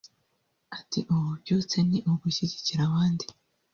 Ati “Ububyutse ni ugushyigikira abandi